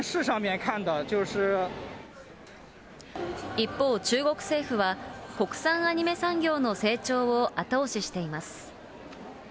一方、中国政府は、国産アニメ産業の成長を後押ししています。